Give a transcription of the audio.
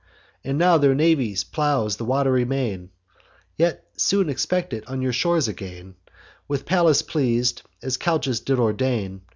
And now their navy plows the wat'ry main, Yet soon expect it on your shores again, With Pallas pleas'd; as Calchas did ordain.